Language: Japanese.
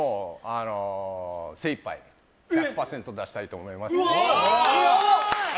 精いっぱい１００％出したいと思います。